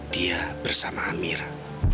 dia bersama amira